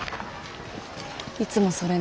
いつもそれね。